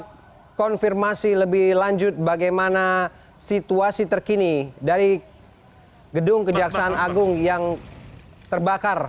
kita konfirmasi lebih lanjut bagaimana situasi terkini dari gedung kejaksaan agung yang terbakar